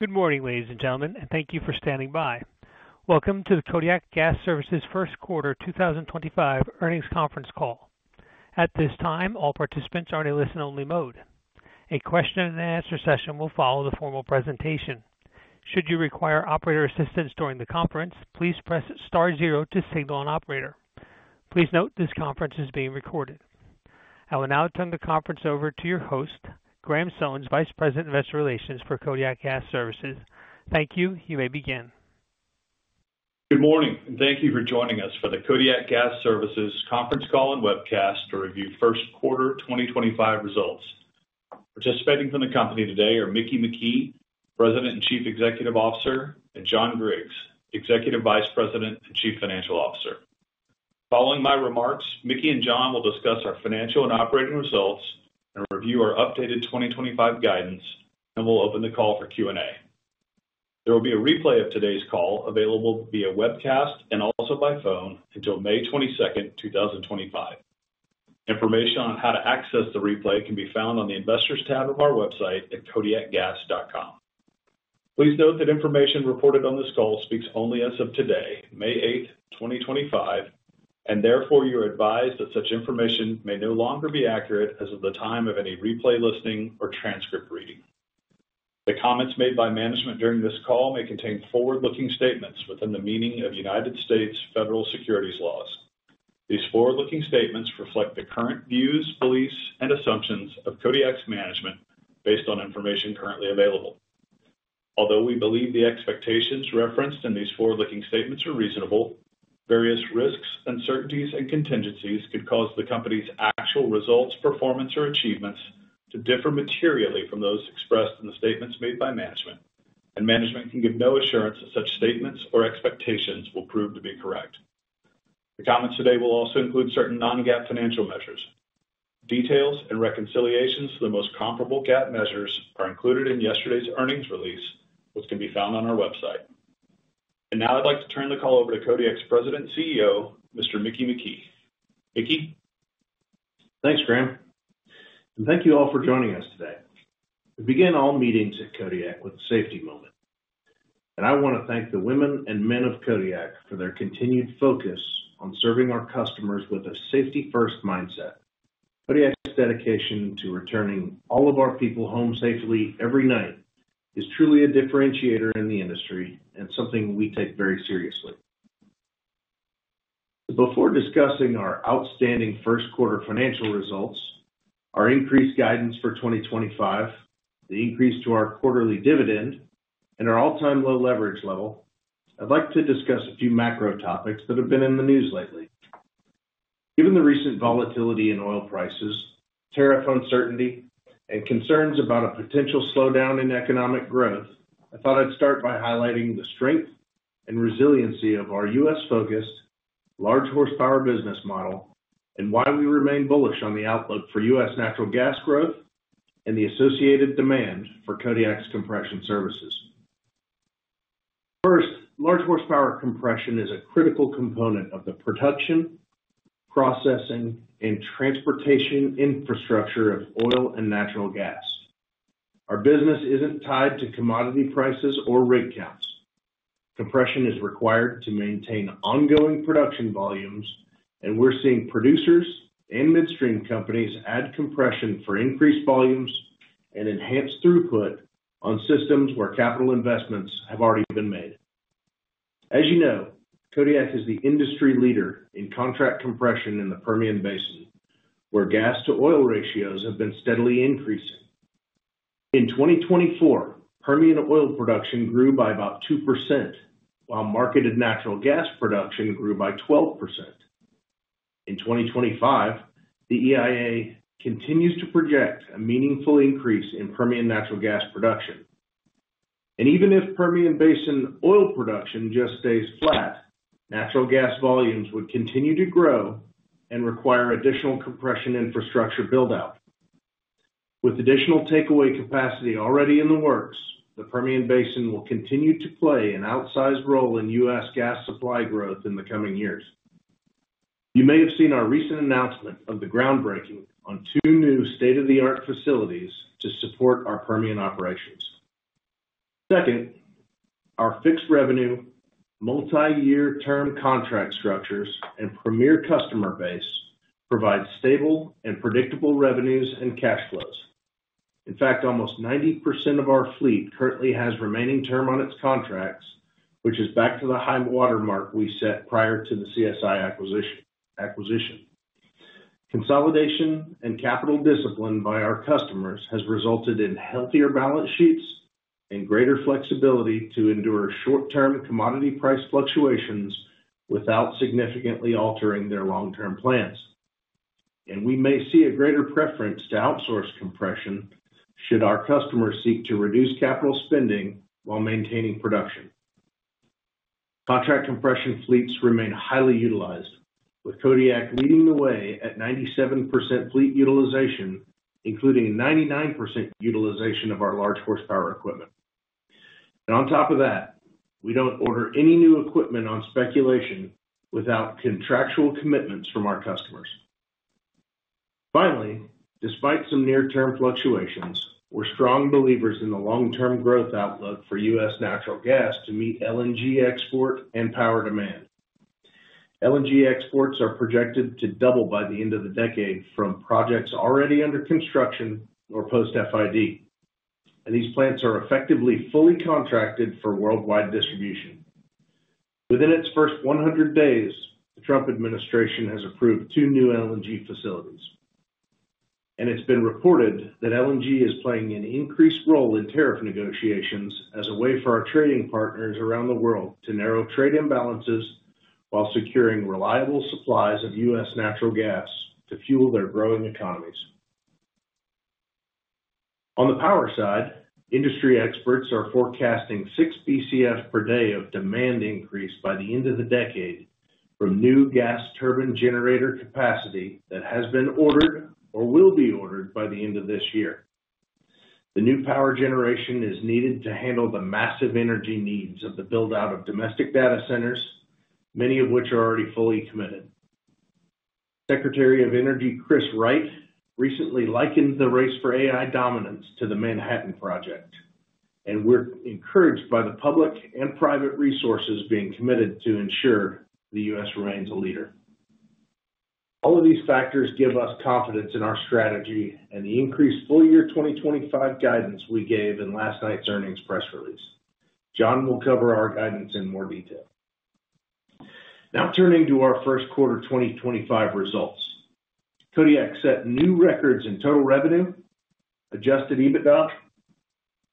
Good morning, ladies and gentlemen, and thank you for standing by. Welcome to the Kodiak Gas Services first quarter 2025 earnings conference call. At this time, all participants are in a listen-only mode. A question-and-answer session will follow the formal presentation. Should you require operator assistance during the conference, please press star zero to signal an operator. Please note this conference is being recorded. I will now turn the conference over to your host, Graham Sones, Vice President of Investor Relations for Kodiak Gas Services. Thank you. You may begin. Good morning, and thank you for joining us for the Kodiak Gas Services conference call and webcast to review first quarter 2025 results. Participating from the company today are Mickey McKee, President and Chief Executive Officer, and John Griggs, Executive Vice President and Chief Financial Officer. Following my remarks, Mickey and John will discuss our financial and operating results and review our updated 2025 guidance, and we'll open the call for Q&A. There will be a replay of today's call available via webcast and also by phone until May 22nd, 2025. Information on how to access the replay can be found on the Investors tab of our website at kodiakgas.com. Please note that information reported on this call speaks only as of today, May 8th, 2025, and therefore you are advised that such information may no longer be accurate as of the time of any replay listening or transcript reading. The comments made by management during this call may contain forward-looking statements within the meaning of United States federal securities laws. These forward-looking statements reflect the current views, beliefs, and assumptions of Kodiak's management based on information currently available. Although we believe the expectations referenced in these forward-looking statements are reasonable, various risks, uncertainties, and contingencies could cause the company's actual results, performance, or achievements to differ materially from those expressed in the statements made by management, and management can give no assurance that such statements or expectations will prove to be correct. The comments today will also include certain non-GAAP financial measures. Details and reconciliations to the most comparable GAAP measures are included in yesterday's earnings release, which can be found on our website. Now I'd like to turn the call over to Kodiak's President and CEO, Mr. Mickey McKee. Mickey. Thanks, Graham. Thank you all for joining us today. We begin all meetings at Kodiak with a safety moment. I want to thank the women and men of Kodiak for their continued focus on serving our customers with a safety-first mindset. Kodiak's dedication to returning all of our people home safely every night is truly a differentiator in the industry and something we take very seriously. Before discussing our outstanding first quarter financial results, our increased guidance for 2025, the increase to our quarterly dividend, and our all-time low leverage level, I'd like to discuss a few macro topics that have been in the news lately. Given the recent volatility in oil prices, tariff uncertainty, and concerns about a potential slowdown in economic growth, I thought I'd start by highlighting the strength and resiliency of our U.S.-focused, large-horsepower business model and why we remain bullish on the outlook for U.S. natural gas growth and the associated demand for Kodiak's compression services. First, large-horsepower compression is a critical component of the production, processing, and transportation infrastructure of oil and natural gas. Our business isn't tied to commodity prices or rig counts. Compression is required to maintain ongoing production volumes, and we're seeing producers and midstream companies add compression for increased volumes and enhanced throughput on systems where capital investments have already been made. As you know, Kodiak is the industry leader in contract compression in the Permian Basin, where gas-to-oil ratios have been steadily increasing. In 2024, Permian oil production grew by about 2%, while marketed natural gas production grew by 12%. In 2025, the EIA continues to project a meaningful increase in Permian natural gas production. Even if Permian Basin oil production just stays flat, natural gas volumes would continue to grow and require additional compression infrastructure build-out. With additional takeaway capacity already in the works, the Permian Basin will continue to play an outsized role in U.S. gas supply growth in the coming years. You may have seen our recent announcement of the groundbreaking on two new state-of-the-art facilities to support our Permian operations. Second, our fixed revenue, multi-year term contract structures, and premier customer base provide stable and predictable revenues and cash flows. In fact, almost 90% of our fleet currently has remaining term on its contracts, which is back to the high watermark we set prior to the CSI acquisition. Consolidation and capital discipline by our customers has resulted in healthier balance sheets and greater flexibility to endure short-term commodity price fluctuations without significantly altering their long-term plans. We may see a greater preference to outsource compression should our customers seek to reduce capital spending while maintaining production. Contract compression fleets remain highly utilized, with Kodiak leading the way at 97% fleet utilization, including 99% utilization of our large-horsepower equipment. On top of that, we do not order any new equipment on speculation without contractual commitments from our customers. Finally, despite some near-term fluctuations, we are strong believers in the long-term growth outlook for U.S. natural gas to meet LNG export and power demand. LNG exports are projected to double by the end of the decade from projects already under construction or post-FID. These plants are effectively fully contracted for worldwide distribution. Within its first 100 days, the Trump administration has approved two new LNG facilities. It has been reported that LNG is playing an increased role in tariff negotiations as a way for our trading partners around the world to narrow trade imbalances while securing reliable supplies of U.S. natural gas to fuel their growing economies. On the power side, industry experts are forecasting six BCF per day of demand increase by the end of the decade from new gas turbine generator capacity that has been ordered or will be ordered by the end of this year. The new power generation is needed to handle the massive energy needs of the build-out of domestic data centers, many of which are already fully committed. Secretary of Energy Chris Wright recently likened the race for AI dominance to the Manhattan Project. We are encouraged by the public and private resources being committed to ensure the U.S. remains a leader. All of these factors give us confidence in our strategy and the increased full-year 2025 guidance we gave in last night's earnings press release. John will cover our guidance in more detail. Now turning to our first quarter 2025 results, Kodiak set new records in total revenue, adjusted EBITDA,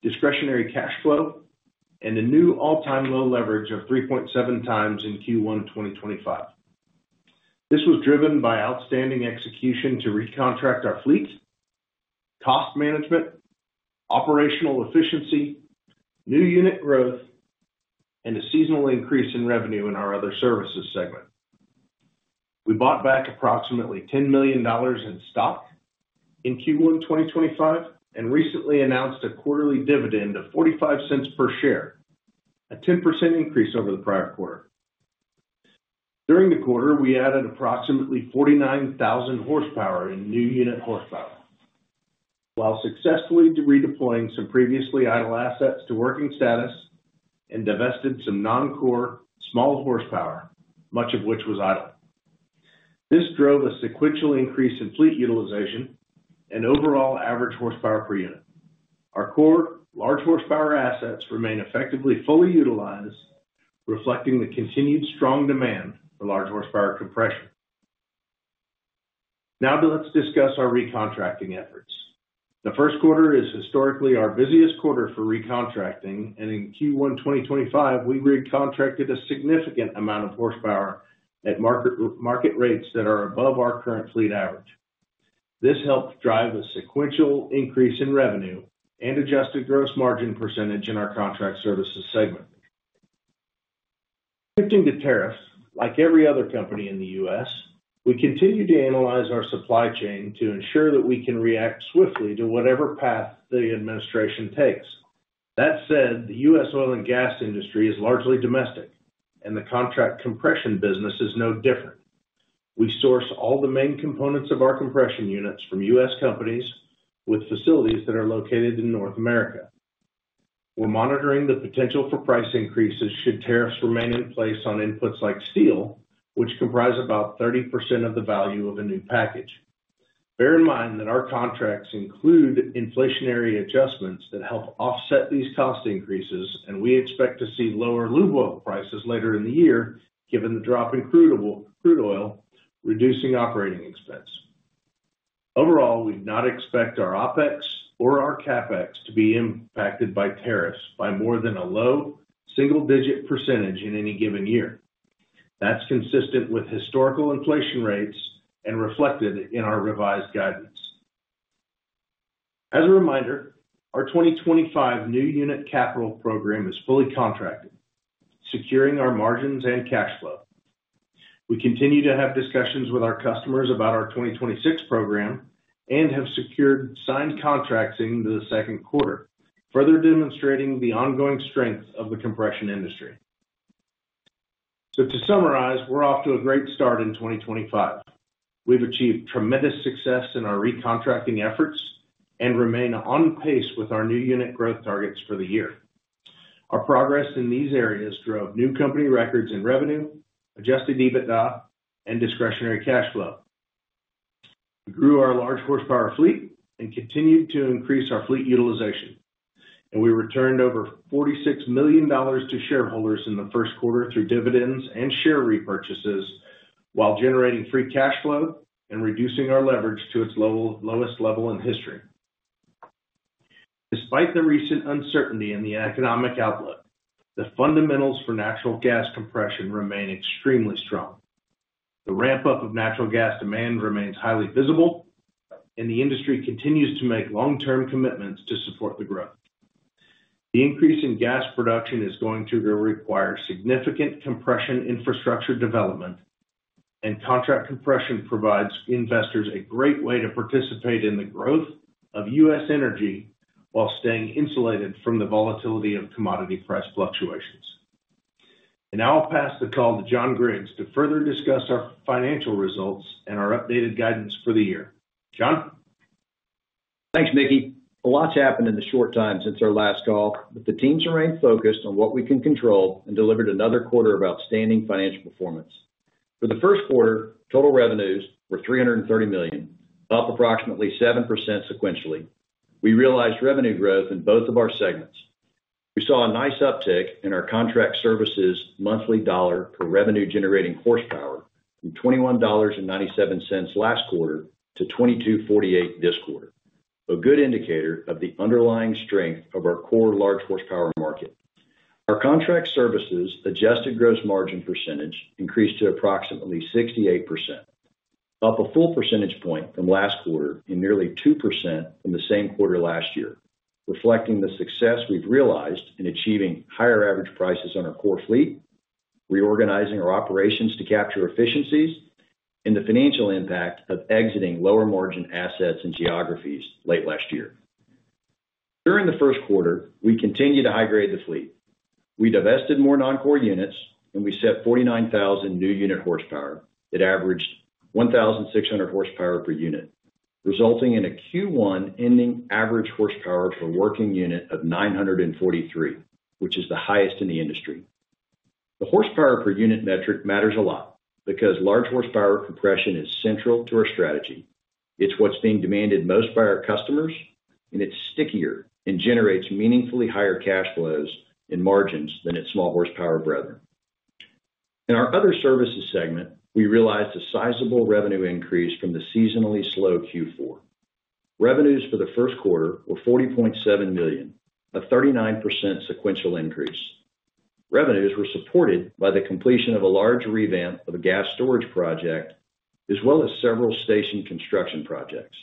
discretionary cash flow, and a new all-time low leverage of 3.7 times in Q1 2025. This was driven by outstanding execution to recontract our fleet, cost management, operational efficiency, new unit growth, and a seasonal increase in revenue in our other services segment. We bought back approximately $10 million in stock in Q1 2025 and recently announced a quarterly dividend of $0.45 per share, a 10% increase over the prior quarter. During the quarter, we added approximately 49,000 horsepower in new unit horsepower, while successfully redeploying some previously idle assets to working status and divested some non-core small horsepower, much of which was idle. This drove a sequential increase in fleet utilization and overall average horsepower per unit. Our core large horsepower assets remain effectively fully utilized, reflecting the continued strong demand for large horsepower compression. Now let's discuss our recontracting efforts. The first quarter is historically our busiest quarter for recontracting, and in Q1 2025, we recontracted a significant amount of horsepower at market rates that are above our current fleet average. This helped drive a sequential increase in revenue and adjusted gross margin percentage in our contract services segment. Shifting to tariffs, like every other company in the U.S., we continue to analyze our supply chain to ensure that we can react swiftly to whatever path the administration takes. That said, the U.S. oil and gas industry is largely domestic, and the contract compression business is no different. We source all the main components of our compression units from U.S. companies with facilities that are located in North America. We're monitoring the potential for price increases should tariffs remain in place on inputs like steel, which comprise about 30% of the value of a new package. Bear in mind that our contracts include inflationary adjustments that help offset these cost increases, and we expect to see lower lube oil prices later in the year given the drop in crude oil, reducing operating expense. Overall, we do not expect our OpEx or our CapEx to be impacted by tariffs by more than a low single-digit percentage in any given year. That's consistent with historical inflation rates and reflected in our revised guidance. As a reminder, our 2025 new unit capital program is fully contracted, securing our margins and cash flow. We continue to have discussions with our customers about our 2026 program and have secured signed contracts into the second quarter, further demonstrating the ongoing strength of the compression industry. To summarize, we're off to a great start in 2025. We've achieved tremendous success in our recontracting efforts and remain on pace with our new unit growth targets for the year. Our progress in these areas drove new company records in revenue, adjusted EBITDA, and discretionary cash flow. We grew our large horsepower fleet and continued to increase our fleet utilization. We returned over $46 million to shareholders in the first quarter through dividends and share repurchases while generating free cash flow and reducing our leverage to its lowest level in history. Despite the recent uncertainty in the economic outlook, the fundamentals for natural gas compression remain extremely strong. The ramp-up of natural gas demand remains highly visible, and the industry continues to make long-term commitments to support the growth. The increase in gas production is going to require significant compression infrastructure development, and contract compression provides investors a great way to participate in the growth of U.S. energy while staying insulated from the volatility of commodity price fluctuations. I will pass the call to John Griggs to further discuss our financial results and our updated guidance for the year. John? Thanks, Mickey. A lot's happened in the short time since our last call, but the teams remain focused on what we can control and delivered another quarter of outstanding financial performance. For the first quarter, total revenues were $330 million, up approximately 7% sequentially. We realized revenue growth in both of our segments. We saw a nice uptick in our contract services monthly dollar per revenue-generating horsepower from $21.97 last quarter to $22.48 this quarter, a good indicator of the underlying strength of our core large horsepower market. Our contract services adjusted gross margin percentage increased to approximately 68%, up a full percentage point from last quarter and nearly 2% from the same quarter last year, reflecting the success we've realized in achieving higher average prices on our core fleet, reorganizing our operations to capture efficiencies, and the financial impact of exiting lower margin assets and geographies late last year. During the first quarter, we continued to high-grade the fleet. We divested more non-core units, and we set 49,000 new unit horsepower that averaged 1,600 horsepower per unit, resulting in a Q1 ending average horsepower per working unit of 943, which is the highest in the industry. The horsepower per unit metric matters a lot because large horsepower compression is central to our strategy. It's what's being demanded most by our customers, and it's stickier and generates meaningfully higher cash flows and margins than its small horsepower brethren. In our other services segment, we realized a sizable revenue increase from the seasonally slow Q4. Revenues for the first quarter were $40.7 million, a 39% sequential increase. Revenues were supported by the completion of a large revamp of a gas storage project, as well as several station construction projects.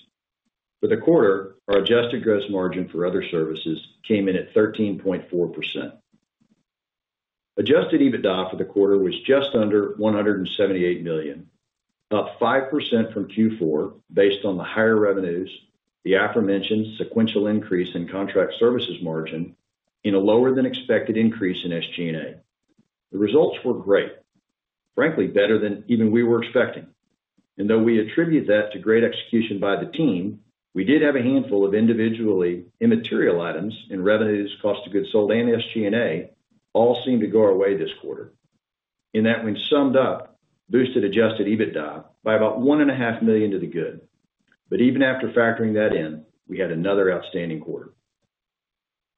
For the quarter, our adjusted gross margin for other services came in at 13.4%. Adjusted EBITDA for the quarter was just under $178 million, up 5% from Q4 based on the higher revenues, the aforementioned sequential increase in contract services margin, and a lower-than-expected increase in SG&A. The results were great, frankly better than even we were expecting. Though we attribute that to great execution by the team, we did have a handful of individually immaterial items in revenues, cost of goods sold, and SG&A all seem to go our way this quarter. In that, when summed up, boosted adjusted EBITDA by about $1.5 million to the good. Even after factoring that in, we had another outstanding quarter.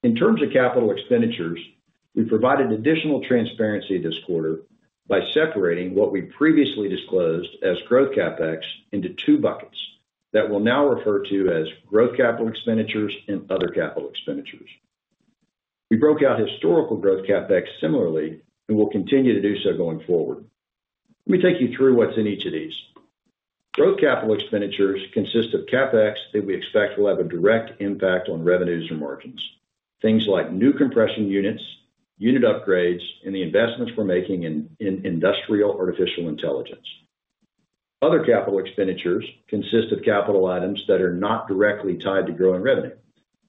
In terms of capital expenditures, we provided additional transparency this quarter by separating what we previously disclosed as growth CapEx into two buckets that we'll now refer to as growth capital expenditures and other capital expenditures. We broke out historical growth CapEx similarly and will continue to do so going forward. Let me take you through what's in each of these. Growth capital expenditures consist of CapEx that we expect will have a direct impact on revenues or margins, things like new compression units, unit upgrades, and the investments we're making in industrial artificial intelligence. Other capital expenditures consist of capital items that are not directly tied to growing revenue,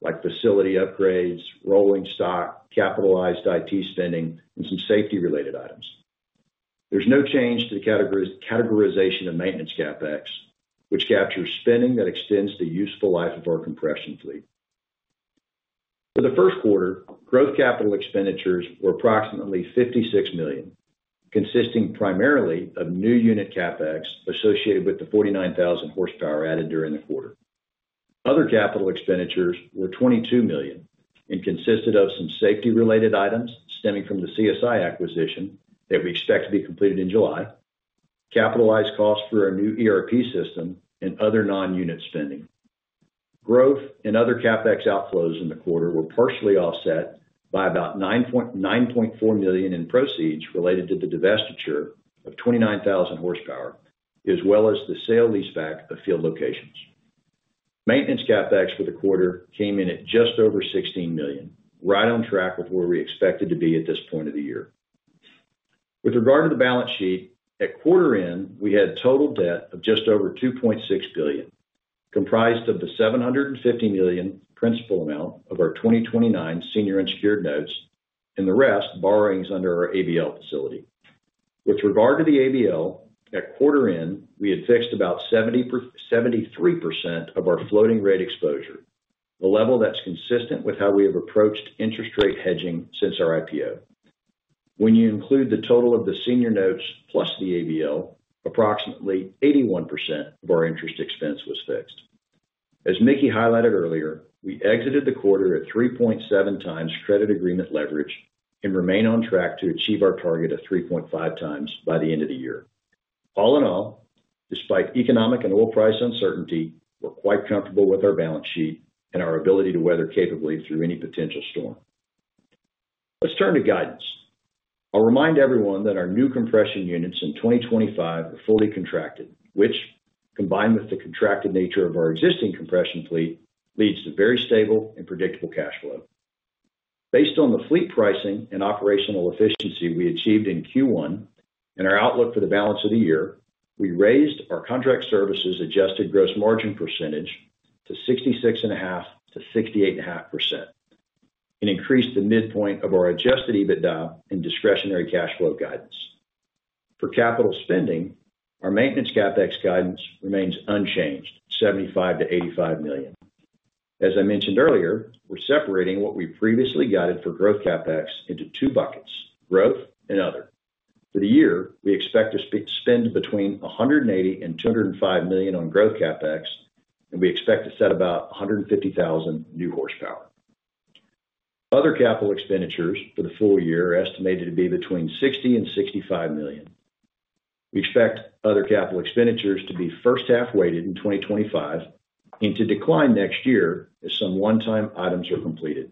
like facility upgrades, rolling stock, capitalized IT spending, and some safety-related items. There's no change to the categorization of maintenance CapEx, which captures spending that extends the useful life of our compression fleet. For the first quarter, growth capital expenditures were approximately $56 million, consisting primarily of new unit CapEx associated with the 49,000 horsepower added during the quarter. Other capital expenditures were $22 million and consisted of some safety-related items stemming from the CSI acquisition that we expect to be completed in July, capitalized costs for our new ERP system, and other non-unit spending. Growth and other CapEx outflows in the quarter were partially offset by about $9.4 million in proceeds related to the divestiture of 29,000 horsepower, as well as the sale leaseback of field locations. Maintenance CapEx for the quarter came in at just over $16 million, right on track with where we expected to be at this point of the year. With regard to the balance sheet, at quarter end, we had total debt of just over $2.6 billion, comprised of the $750 million principal amount of our 2029 senior unsecured notes and the rest borrowings under our ABL Facility. With regard to the ABL, at quarter end, we had fixed about 73% of our floating rate exposure, a level that's consistent with how we have approached interest rate hedging since our IPO. When you include the total of the senior notes plus the ABL, approximately 81% of our interest expense was fixed. As Mickey highlighted earlier, we exited the quarter at 3.7 times credit agreement leverage and remain on track to achieve our target of 3.5 times by the end of the year. All in all, despite economic and oil price uncertainty, we're quite comfortable with our balance sheet and our ability to weather capably through any potential storm. Let's turn to guidance. I'll remind everyone that our new compression units in 2025 are fully contracted, which, combined with the contracted nature of our existing compression fleet, leads to very stable and predictable cash flow. Based on the fleet pricing and operational efficiency we achieved in Q1 and our outlook for the balance of the year, we raised our contract services adjusted gross margin percentage to 66.5%-68.5% and increased the midpoint of our adjusted EBITDA and discretionary cash flow guidance. For capital spending, our maintenance CapEx guidance remains unchanged, $75 million-$85 million. As I mentioned earlier, we're separating what we previously guided for growth CapEx into two buckets, growth and other. For the year, we expect to spend between $180 million and $205 million on growth CapEx, and we expect to set about 150,000 new horsepower. Other capital expenditures for the full year are estimated to be between $60 million and $65 million. We expect other capital expenditures to be first half weighted in 2025 and to decline next year as some one-time items are completed,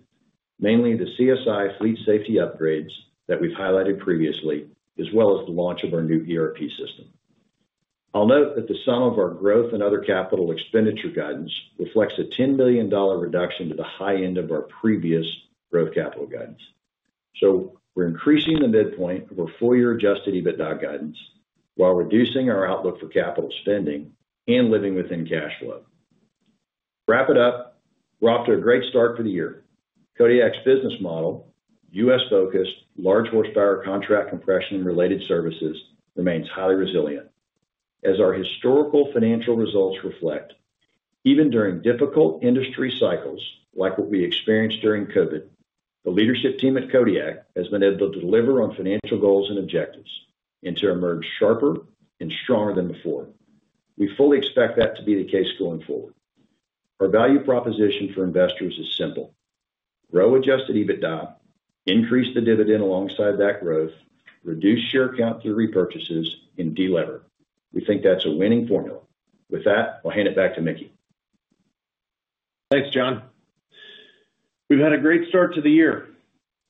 mainly the CSI fleet safety upgrades that we've highlighted previously, as well as the launch of our new ERP system. I'll note that the sum of our growth and other capital expenditure guidance reflects a $10 million reduction to the high end of our previous growth capital guidance. We're increasing the midpoint of our four-year adjusted EBITDA guidance while reducing our outlook for capital spending and living within cash flow. Wrap it up, we're off to a great start for the year. Kodiak's business model, U.S.-focused large horsepower contract compression-related services, remains highly resilient. As our historical financial results reflect, even during difficult industry cycles like what we experienced during COVID, the leadership team at Kodiak has been able to deliver on financial goals and objectives and to emerge sharper and stronger than before. We fully expect that to be the case going forward. Our value proposition for investors is simple: grow adjusted EBITDA, increase the dividend alongside that growth, reduce share count through repurchases, and deliver. We think that's a winning formula. With that, I'll hand it back to Mickey. Thanks, John. We've had a great start to the year.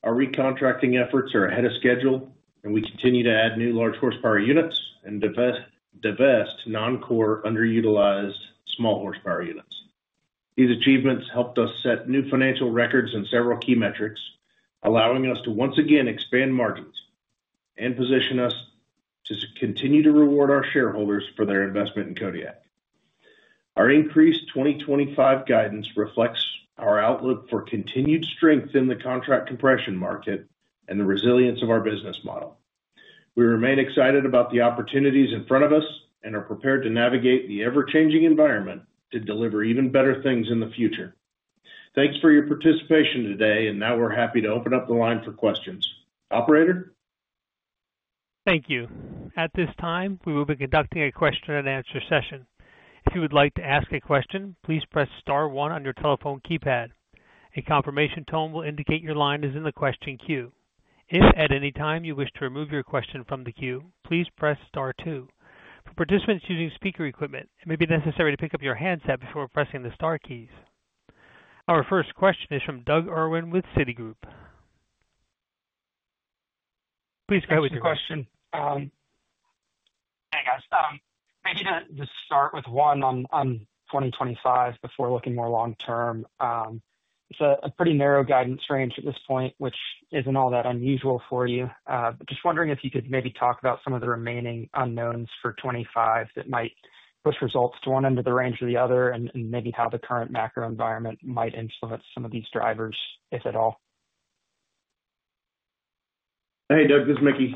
Our recontracting efforts are ahead of schedule, and we continue to add new large horsepower units and divest non-core underutilized small horsepower units. These achievements helped us set new financial records in several key metrics, allowing us to once again expand margins and position us to continue to reward our shareholders for their investment in Kodiak. Our increased 2025 guidance reflects our outlook for continued strength in the contract compression market and the resilience of our business model. We remain excited about the opportunities in front of us and are prepared to navigate the ever-changing environment to deliver even better things in the future. Thanks for your participation today, and now we're happy to open up the line for questions. Operator? Thank you. At this time, we will be conducting a question and answer session. If you would like to ask a question, please press star one on your telephone keypad. A confirmation tone will indicate your line is in the question queue. If at any time you wish to remove your question from the queue, please press star two. For participants using speaker equipment, it may be necessary to pick up your handset before pressing the star keys. Our first question is from Doug Irwin with Citigroup. Please go ahead with your question. Hey, guys. Maybe to just start with one on 2025 before looking more long-term, it's a pretty narrow guidance range at this point, which isn't all that unusual for you. Just wondering if you could maybe talk about some of the remaining unknowns for 2025 that might push results to one end of the range or the other and maybe how the current macro environment might influence some of these drivers, if at all. Hey, Doug, this is Mickey.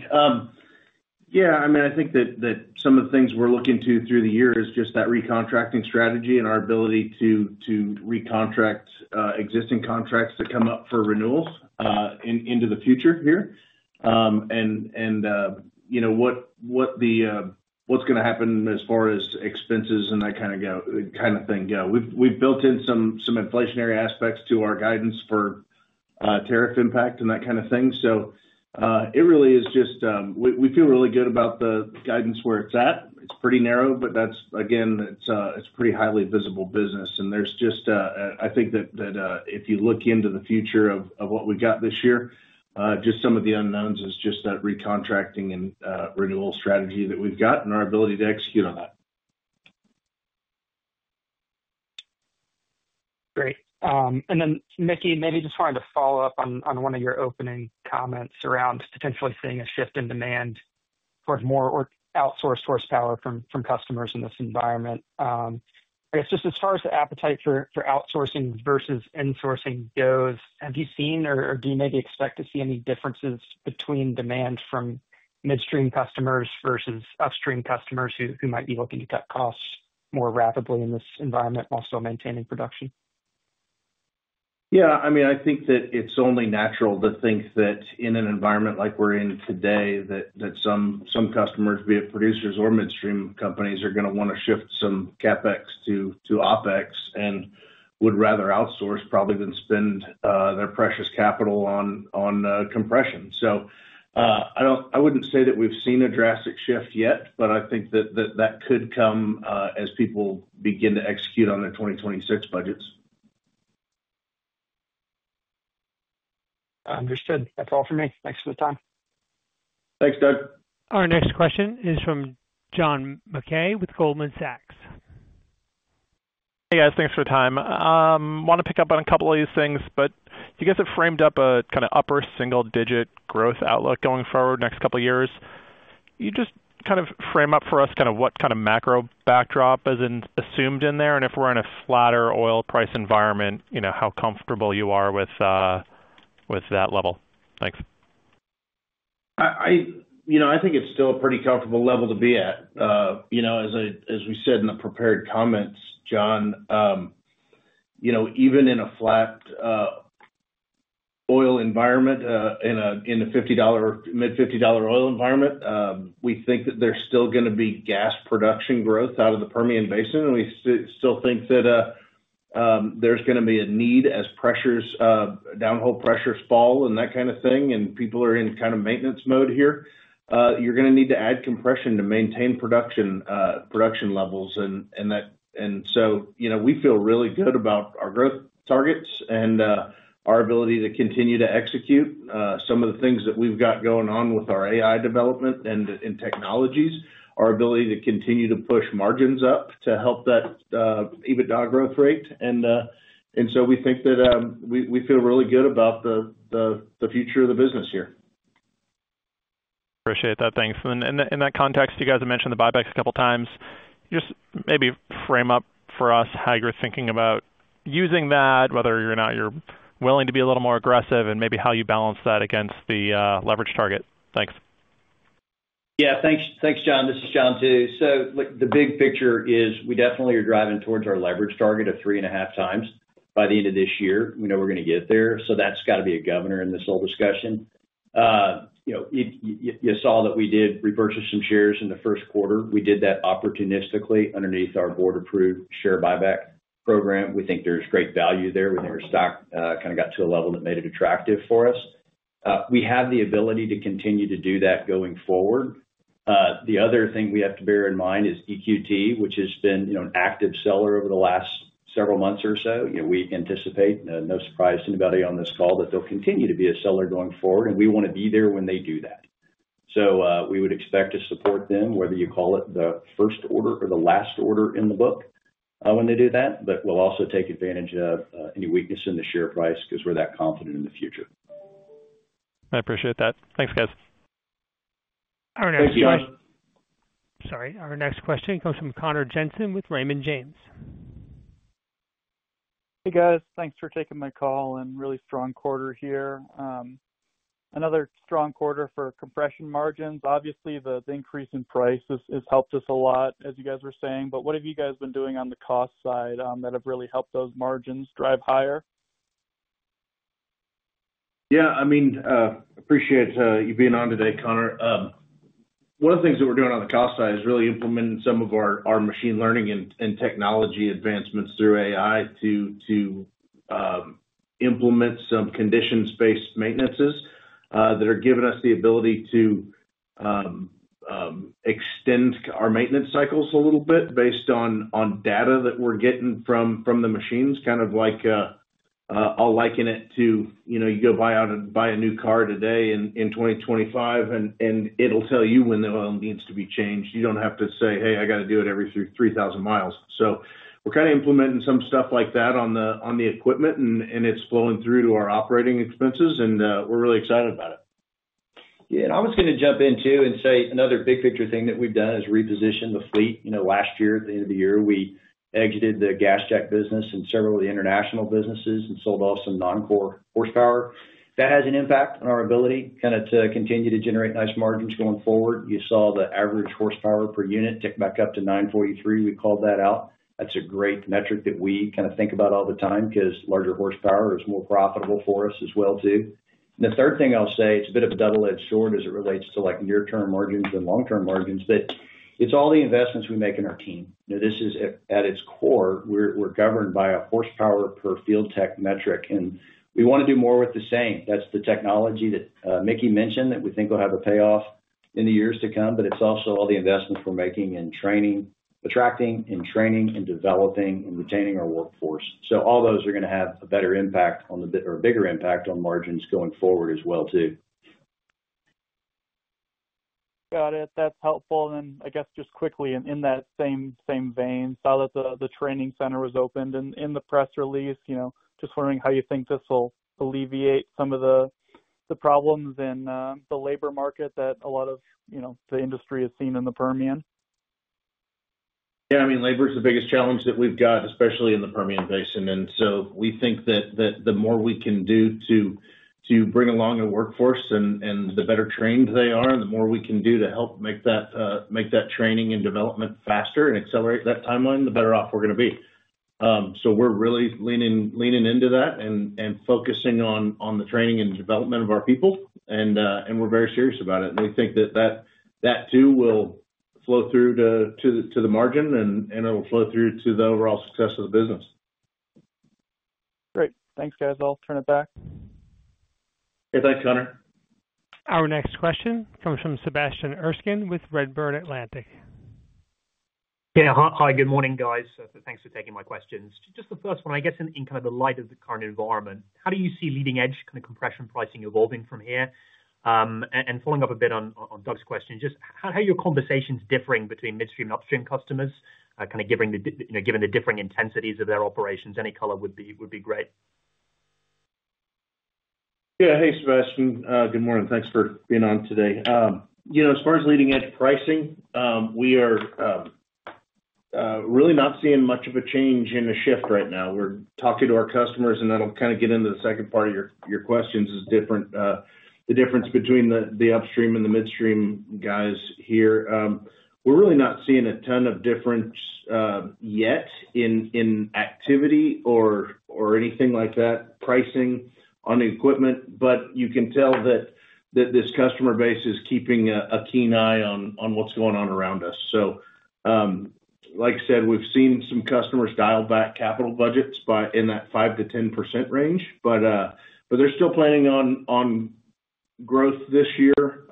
Yeah, I mean, I think that some of the things we're looking to through the year is just that recontracting strategy and our ability to recontract existing contracts that come up for renewals into the future here. What's going to happen as far as expenses and that kind of thing go. We've built in some inflationary aspects to our guidance for tariff impact and that kind of thing. It really is just we feel really good about the guidance where it's at. It's pretty narrow, but again, it's a pretty highly visible business. There's just, I think that if you look into the future of what we've got this year, just some of the unknowns is just that recontracting and renewal strategy that we've got and our ability to execute on that. Great. Mickey, maybe just wanted to follow up on one of your opening comments around potentially seeing a shift in demand towards more outsourced horsepower from customers in this environment. I guess just as far as the appetite for outsourcing versus insourcing goes, have you seen or do you maybe expect to see any differences between demand from midstream customers versus upstream customers who might be looking to cut costs more rapidly in this environment while still maintaining production? Yeah, I mean, I think that it's only natural to think that in an environment like we're in today, that some customers, be it producers or midstream companies, are going to want to shift some CapEx to OpEx and would rather outsource probably than spend their precious capital on compression. I wouldn't say that we've seen a drastic shift yet, but I think that that could come as people begin to execute on their 2026 budgets. Understood. That's all for me. Thanks for the time. Thanks, Doug. Our next question is from John Mackay with Goldman Sachs. Hey, guys. Thanks for the time. Want to pick up on a couple of these things, but you guys have framed up a kind of upper single-digit growth outlook going forward next couple of years. You just kind of frame up for us kind of what kind of macro backdrop is assumed in there, and if we're in a flatter oil price environment, how comfortable you are with that level. Thanks. I think it's still a pretty comfortable level to be at. As we said in the prepared comments, John, even in a flat oil environment, in a mid-$50 oil environment, we think that there's still going to be gas production growth out of the Permian Basin. We still think that there's going to be a need as downhole pressures fall and that kind of thing, and people are in kind of maintenance mode here. You're going to need to add compression to maintain production levels. We feel really good about our growth targets and our ability to continue to execute some of the things that we've got going on with our AI development and technologies, our ability to continue to push margins up to help that EBITDA growth rate. We think that we feel really good about the future of the business here. Appreciate that. Thanks. In that context, you guys have mentioned the buybacks a couple of times. Just maybe frame up for us how you're thinking about using that, whether or not you're willing to be a little more aggressive, and maybe how you balance that against the leverage target. Thanks. Yeah, thanks, John. This is John too. The big picture is we definitely are driving towards our leverage target of 3.5 times by the end of this year. We know we're going to get there. That's got to be a governor in this whole discussion. You saw that we did reverse some shares in the first quarter. We did that opportunistically underneath our board-approved share buyback program. We think there's great value there. We think our stock kind of got to a level that made it attractive for us. We have the ability to continue to do that going forward. The other thing we have to bear in mind is EQT, which has been an active seller over the last several months or so. We anticipate, no surprise to anybody on this call, that they'll continue to be a seller going forward, and we want to be there when they do that. We would expect to support them, whether you call it the first order or the last order in the book when they do that, but we'll also take advantage of any weakness in the share price because we're that confident in the future. I appreciate that. Thanks, guys. Our next question. Thank you, John. Sorry. Our next question comes from Connor Jensen with Raymond James. Hey, guys. Thanks for taking my call and really strong quarter here. Another strong quarter for compression margins. Obviously, the increase in price has helped us a lot, as you guys were saying. What have you guys been doing on the cost side that have really helped those margins drive higher? Yeah, I mean, appreciate you being on today, Connor. One of the things that we're doing on the cost side is really implementing some of our machine learning and technology advancements through AI to implement some condition-based maintenances that are giving us the ability to extend our maintenance cycles a little bit based on data that we're getting from the machines, kind of like I'll liken it to you go buy a new car today in 2025, and it'll tell you when the oil needs to be changed. You don't have to say, "Hey, I got to do it every 3,000 mi." We're kind of implementing some stuff like that on the equipment, and it's flowing through to our operating expenses, and we're really excited about it. Yeah. I was going to jump in too and say another big-picture thing that we've done is reposition the fleet. Last year, at the end of the year, we exited the gas jet business and several of the international businesses and sold off some non-core horsepower. That has an impact on our ability kind of to continue to generate nice margins going forward. You saw the average horsepower per unit tick back up to 943. We called that out. That's a great metric that we kind of think about all the time because larger horsepower is more profitable for us as well too. The third thing I'll say, it's a bit of a double-edged sword as it relates to near-term margins and long-term margins, but it's all the investments we make in our team. This is, at its core, we're governed by a horsepower per field tech metric, and we want to do more with the same. That's the technology that Mickey mentioned that we think will have a payoff in the years to come, but it's also all the investments we're making in training, attracting, and training and developing and retaining our workforce. All those are going to have a better impact or a bigger impact on margins going forward as well too. Got it. That's helpful. I guess just quickly in that same vein, saw that the training center was opened in the press release. Just wondering how you think this will alleviate some of the problems in the labor market that a lot of the industry has seen in the Permian. Yeah, I mean, labor is the biggest challenge that we've got, especially in the Permian Basin. We think that the more we can do to bring along a workforce and the better trained they are, the more we can do to help make that training and development faster and accelerate that timeline, the better off we're going to be. We're really leaning into that and focusing on the training and development of our people, and we're very serious about it. We think that that too will flow through to the margin, and it will flow through to the overall success of the business. Great. Thanks, guys. I'll turn it back. Hey, thanks, Connor. Our next question comes from Sebastian Erskine with Redburn Atlantic. Yeah. Hi, good morning, guys. Thanks for taking my questions. Just the first one, I guess in kind of the light of the current environment, how do you see leading-edge kind of compression pricing evolving from here? Following up a bit on Doug's question, just how are your conversations differing between midstream and upstream customers, kind of given the differing intensities of their operations? Any color would be great. Yeah. Hey, Sebastian. Good morning. Thanks for being on today. As far as leading-edge pricing, we are really not seeing much of a change in the shift right now. We're talking to our customers, and that'll kind of get into the second part of your questions is the difference between the upstream and the midstream guys here. We're really not seeing a ton of difference yet in activity or anything like that, pricing on the equipment, but you can tell that this customer base is keeping a keen eye on what's going on around us. Like I said, we've seen some customers dial back capital budgets in that 5%-10% range, but they're still planning on growth this year,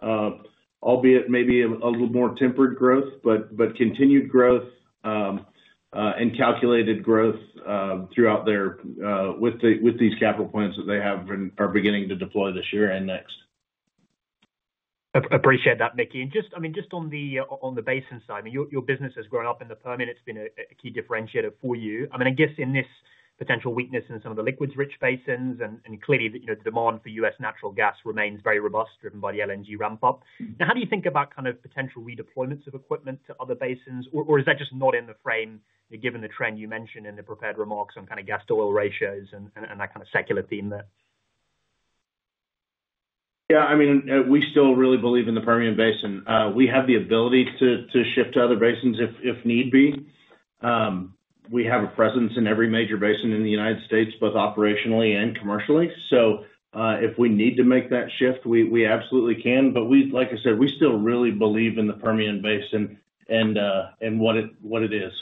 albeit maybe a little more tempered growth, but continued growth and calculated growth throughout their with these capital plans that they have and are beginning to deploy this year and next. Appreciate that, Mickey. I mean, just on the basin side, your business has grown up in the Permian. It's been a key differentiator for you. I guess in this potential weakness in some of the liquids-rich basins, and clearly the demand for U.S. natural gas remains very robust, driven by the LNG ramp-up. How do you think about kind of potential redeployments of equipment to other basins, or is that just not in the frame given the trend you mentioned in the prepared remarks on kind of gas-to-oil ratios and that kind of secular theme there? Yeah. I mean, we still really believe in the Permian Basin. We have the ability to shift to other basins if need be. We have a presence in every major basin in the United States, both operationally and commercially. If we need to make that shift, we absolutely can. Like I said, we still really believe in the Permian Basin and what it is.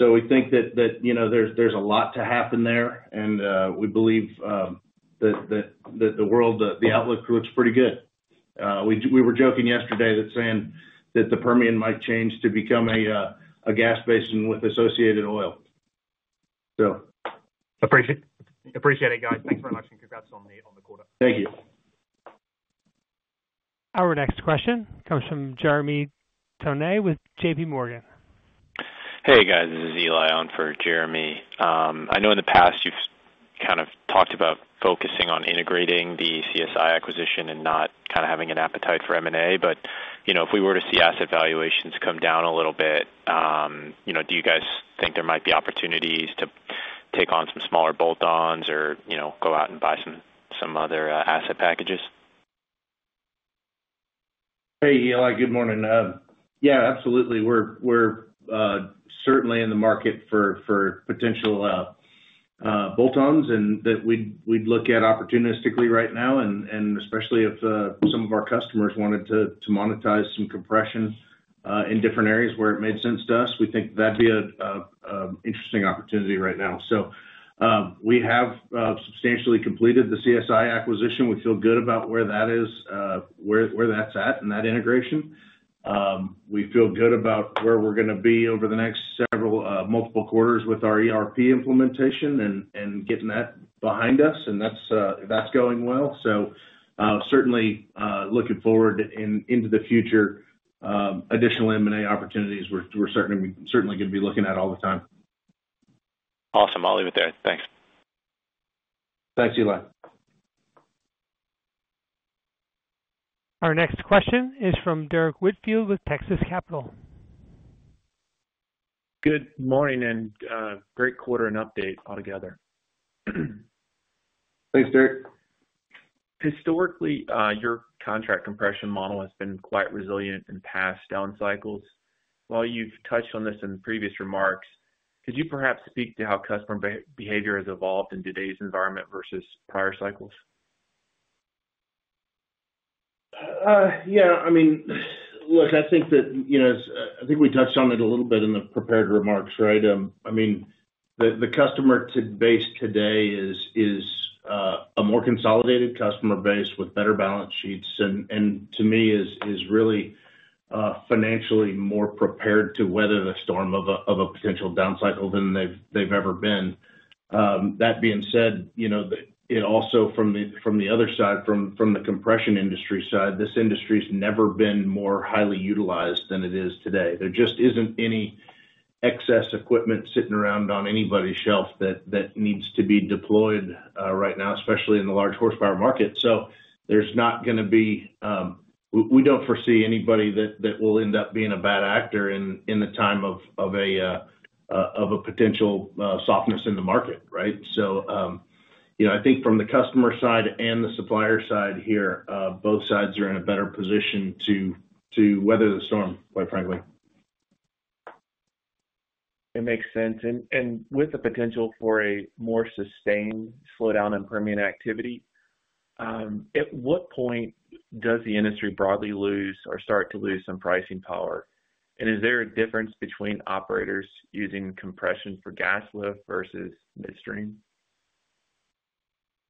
We think that there's a lot to happen there, and we believe that the outlook looks pretty good. We were joking yesterday that saying that the Permian might change to become a gas basin with associated oil. Appreciate it, guys. Thanks very much, and congrats on the quarter. Thank you. Our next question comes from Jeremy Toney with JPMorgan. Hey, guys. This is Eli on for Jeremy. I know in the past you've kind of talked about focusing on integrating the CSI acquisition and not kind of having an appetite for M&A, but if we were to see asset valuations come down a little bit, do you guys think there might be opportunities to take on some smaller bolt-ons or go out and buy some other asset packages? Hey, Eli. Good morning. Yeah, absolutely. We're certainly in the market for potential bolt-ons that we'd look at opportunistically right now, and especially if some of our customers wanted to monetize some compression in different areas where it made sense to us. We think that'd be an interesting opportunity right now. We have substantially completed the CSI acquisition. We feel good about where that is, where that's at in that integration. We feel good about where we're going to be over the next several multiple quarters with our ERP implementation and getting that behind us, and that's going well. Certainly looking forward into the future, additional M&A opportunities we're certainly going to be looking at all the time. Awesome. I'll leave it there. Thanks. Thanks, Eli. Our next question is from Derrick Whitfield with Texas Capital. Good morning and great quarter and update altogether. Thanks, Derrick. Historically, your contract compression model has been quite resilient in past down cycles. While you've touched on this in previous remarks, could you perhaps speak to how customer behavior has evolved in today's environment versus prior cycles? Yeah. I mean, look, I think that I think we touched on it a little bit in the prepared remarks, right? I mean, the customer base today is a more consolidated customer base with better balance sheets and to me is really financially more prepared to weather the storm of a potential down cycle than they've ever been. That being said, it also from the other side, from the compression industry side, this industry has never been more highly utilized than it is today. There just isn't any excess equipment sitting around on anybody's shelf that needs to be deployed right now, especially in the large-horsepower market. There is not going to be we do not foresee anybody that will end up being a bad actor in the time of a potential softness in the market, right? I think from the customer side and the supplier side here, both sides are in a better position to weather the storm, quite frankly. It makes sense. With the potential for a more sustained slowdown in Permian activity, at what point does the industry broadly lose or start to lose some pricing power? Is there a difference between operators using compression for gas lift versus midstream?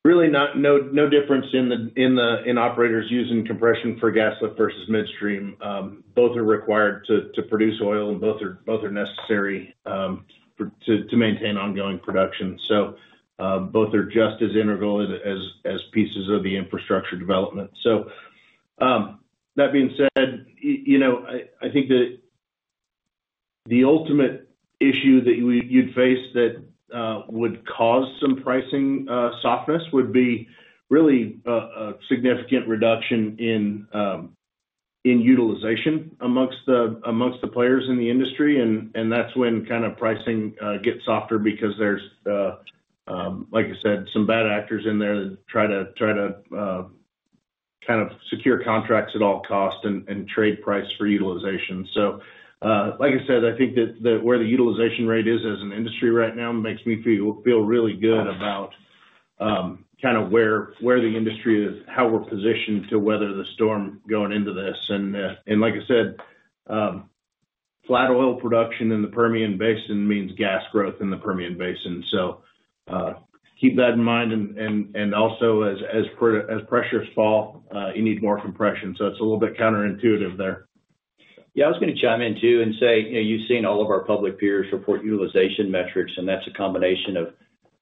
Really no difference in operators using compression for gas lift versus midstream. Both are required to produce oil, and both are necessary to maintain ongoing production. Both are just as integral as pieces of the infrastructure development. That being said, I think the ultimate issue that you'd face that would cause some pricing softness would be really a significant reduction in utilization amongst the players in the industry. That's when kind of pricing gets softer because there's, like I said, some bad actors in there that try to kind of secure contracts at all costs and trade price for utilization. Like I said, I think that where the utilization rate is as an industry right now makes me feel really good about kind of where the industry is, how we're positioned to weather the storm going into this. Like I said, flat oil production in the Permian Basin means gas growth in the Permian Basin. Keep that in mind. Also, as pressures fall, you need more compression. It is a little bit counterintuitive there. Yeah. I was going to chime in too and say you have seen all of our public peers report utilization metrics, and that is a combination of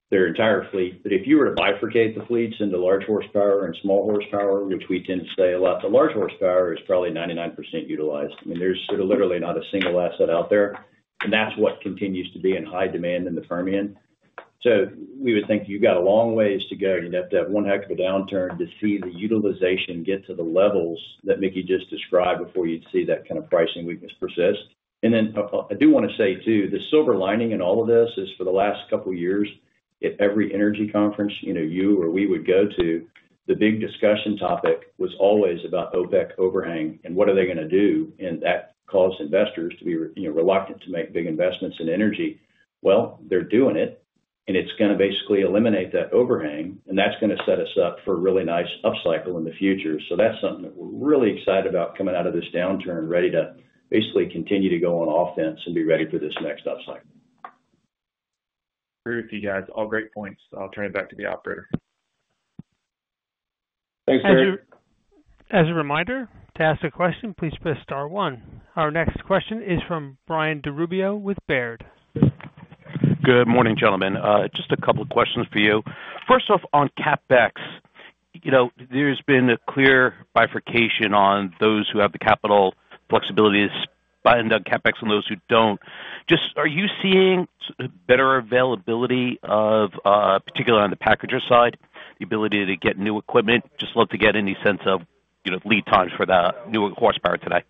their entire fleet. If you were to bifurcate the fleets into large horsepower and small horsepower, which we tend to say a lot, the large horsepower is probably 99% utilized. I mean, there is literally not a single asset out there. That is what continues to be in high demand in the Permian. We would think you have a long ways to go. You'd have to have one heck of a downturn to see the utilization get to the levels that Mickey just described before you'd see that kind of pricing weakness persist. I do want to say too, the silver lining in all of this is for the last couple of years, at every energy conference you or we would go to, the big discussion topic was always about OPEC overhang and what are they going to do. That caused investors to be reluctant to make big investments in energy. They're doing it, and it's going to basically eliminate that overhang, and that's going to set us up for a really nice up cycle in the future. That's something that we're really excited about coming out of this downturn and ready to basically continue to go on offense and be ready for this next up cycle. Agree with you guys. All great points. I'll turn it back to the operator. Thanks, Derrick. As a reminder, to ask a question, please press star one. Our next question is from Brian DiRubbio with Baird. Good morning, gentlemen. Just a couple of questions for you. First off, on CapEx, there's been a clear bifurcation on those who have the capital flexibility to spend on CapEx and those who don't. Just are you seeing better availability, particularly on the packager side, the ability to get new equipment? Just love to get any sense of lead times for the newer horsepower today.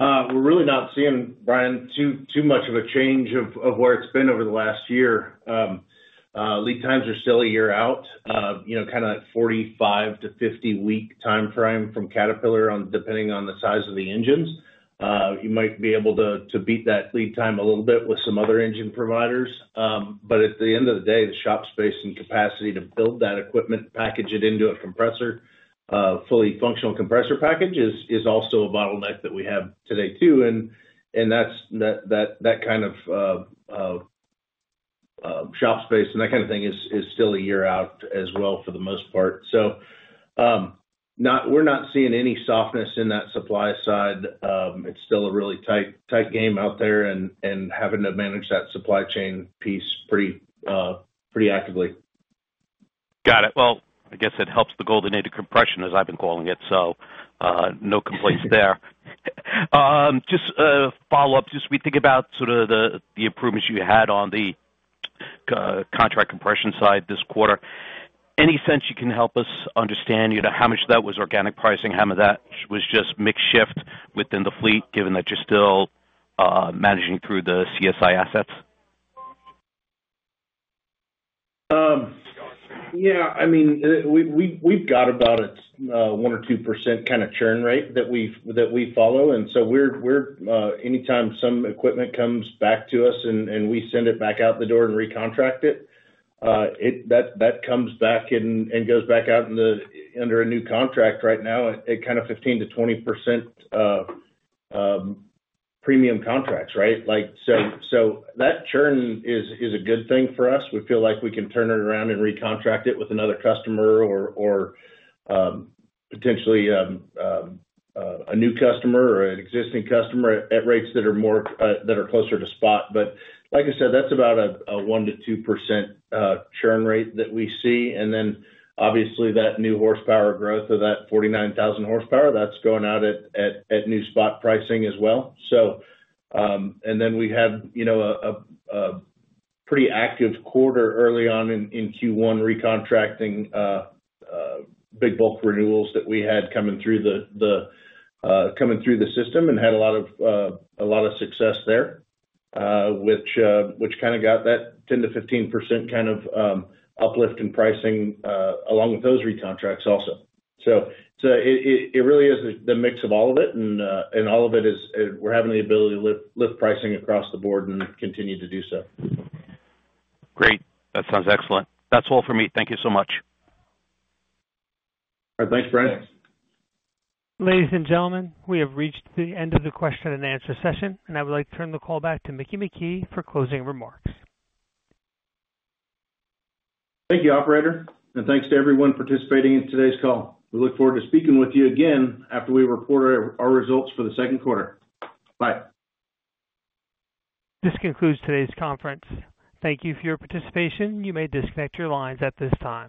We're really not seeing, Brian, too much of a change of where it's been over the last year. Lead times are still a year out, kind of 45-50 week timeframe from Caterpillar, depending on the size of the engines. You might be able to beat that lead time a little bit with some other engine providers. At the end of the day, the shop space and capacity to build that equipment, package it into a fully functional compressor package is also a bottleneck that we have today too. That kind of shop space and that kind of thing is still a year out as well for the most part. We're not seeing any softness in that supply side. It's still a really tight game out there and having to manage that supply chain piece pretty actively. Got it. I guess it helps the golden age of compression, as I've been calling it. No complaints there. Just a follow-up. As we think about sort of the improvements you had on the contract compression side this quarter, any sense you can help us understand how much of that was organic pricing, how much of that was just mix shift within the fleet, given that you're still managing through the CSI assets? Yeah. I mean, we've got about a 1%-2% kind of churn rate that we follow. Anytime some equipment comes back to us and we send it back out the door and recontract it, that comes back and goes back out under a new contract right now at kind of 15%-20% premium contracts, right? That churn is a good thing for us. We feel like we can turn it around and recontract it with another customer or potentially a new customer or an existing customer at rates that are closer to spot. Like I said, that's about a 1%-2% churn rate that we see. Obviously, that new horsepower growth of that 49,000 horsepower, that's going out at new spot pricing as well. We had a pretty active quarter early on in Q1 recontracting big bulk renewals that we had coming through the system and had a lot of success there, which kind of got that 10%-15% kind of uplift in pricing along with those recontracts also. It really is the mix of all of it, and all of it is we're having the ability to lift pricing across the board and continue to do so. Great. That sounds excellent. That's all for me. Thank you so much. All right. Thanks, Brian. Thanks. Ladies and gentlemen, we have reached the end of the question and answer session, and I would like to turn the call back to Mickey McKee for closing remarks. Thank you, operator. Thank you to everyone participating in today's call. We look forward to speaking with you again after we report our results for the second quarter. Bye. This concludes today's conference. Thank you for your participation. You may disconnect your lines at this time.